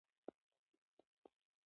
پښتانه غیرتي قوم دي